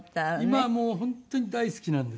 今もう本当に大好きなんです。